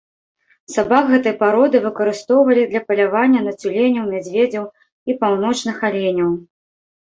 Сабак гэтай пароды выкарыстоўвалі для палявання на цюленяў, мядзведзяў і паўночных аленяў.